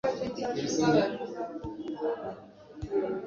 na we yabitabayemo, yari intwari nka shebuja.